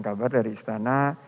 kabar dari istana